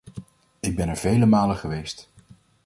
Ik ben er vele malen geweest.